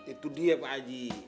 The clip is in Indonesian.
itu dia pak haji